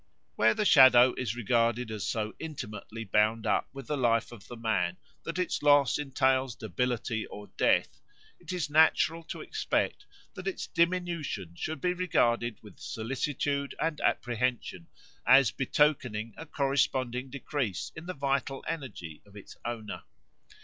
Where the shadow is regarded as so intimately bound up with the life of the man that its loss entails debility or death, it is natural to expect that its diminution should be regarded with solicitude and apprehension, as betokening a corresponding decrease in the vital energy of its owner.